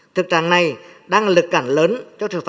thực trạng này đang là lực cản lớn cho thực phẩm